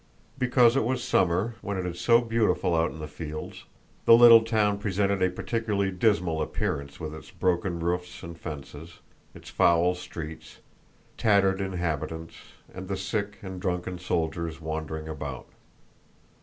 Because it was summer, when it is so beautiful out in the fields, the little town presented a particularly dismal appearance with its broken roofs and fences, its foul streets, tattered inhabitants, and the sick and drunken soldiers wandering about.